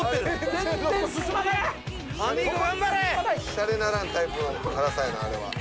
しゃれならんタイプの辛さやなあれは。